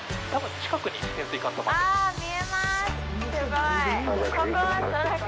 近くに潜水艦とか。